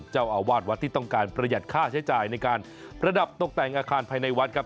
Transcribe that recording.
เจ้าอาวาสวัดที่ต้องการประหยัดค่าใช้จ่ายในการประดับตกแต่งอาคารภายในวัดครับ